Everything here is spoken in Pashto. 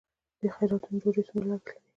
د خیراتونو ډوډۍ څومره لګښت لري؟